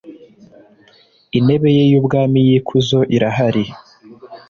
intebe ye y ubwami y ikuzo irahari